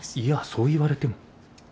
いやそう言われても。